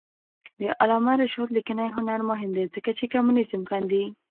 د علامه رشاد لیکنی هنر مهم دی ځکه چې کمونیزم غندي.